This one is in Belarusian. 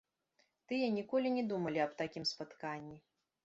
Тыя ніколі не думалі аб такім спатканні.